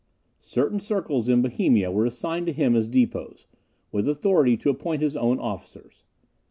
Certain circles in Bohemia were assigned to him as depots, with authority to appoint his own officers.